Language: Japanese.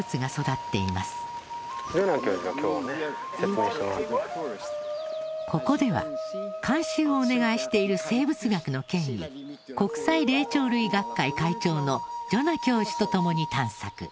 続いて取材班はここでは監修をお願いしている生物学の権威国際霊長類学会会長のジョナ教授とともに探索。